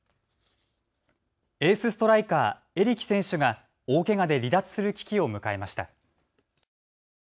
エースストライカー、エリキ選手が大けがで離脱する危機を迎えました。